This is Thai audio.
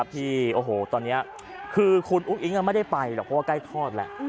ที่โอ้โหตอนนี้คือคุณอุ้งอิ๊งไม่ได้ไปหรอกเพราะว่าใกล้ทอดแหละ